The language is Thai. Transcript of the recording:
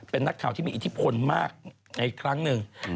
เป็นนักข่าวที่มีอิทธิพลมากในครั้งหนึ่ง